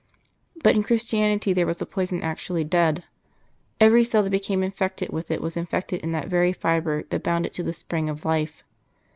But in Christianity there was a poison actually deadly. Every cell that became infected with it was infected in that very fibre that bound it to the spring of life.